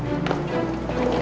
bisa di rumah